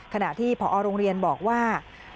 ขณะที่พอโรงเรียนบอกว่า